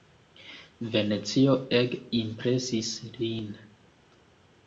Venecio ege impresis lin.